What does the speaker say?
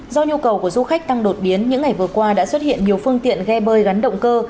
do nhu cầu của du khách tăng đột biến những ngày vừa qua đã xuất hiện nhiều phương tiện ghe bơi gắn động cơ